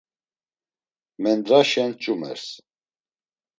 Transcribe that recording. Mendraşen çumers.